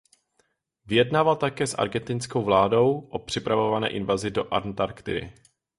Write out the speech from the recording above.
Vyjednával také s argentinskou vládou o připravované invazi do Antarktidy.